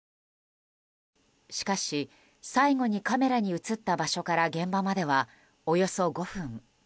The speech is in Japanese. しかし最後にカメラに映った場所から現場まではおよそ５分。